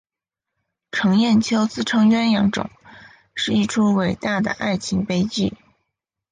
程砚秋自称鸳鸯冢是一出伟大的爱情悲剧。